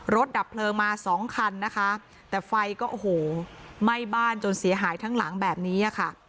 ดับเพลิงมาสองคันนะคะแต่ไฟก็โอ้โหไหม้บ้านจนเสียหายทั้งหลังแบบนี้ค่ะ